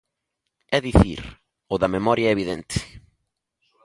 É dicir, o da memoria é evidente.